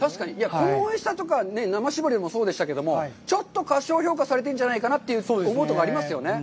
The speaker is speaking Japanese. このおいしさとか、生搾りもそうでしたけど、ちょっと過小評価されてんじゃないかなと思うところはありますよね。